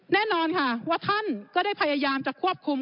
แน่นอนค่ะว่าท่านก็ได้พยายามจะควบคุม